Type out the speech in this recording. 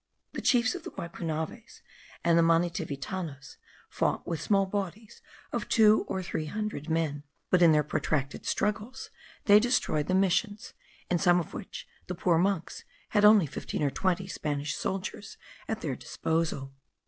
The chiefs of the Guaypunaves and the Manitivitanos fought with small bodies of two or three hundred men; but in their protracted struggles they destroyed the missions, in some of which the poor monks had only fifteen or twenty Spanish soldiers at their disposal.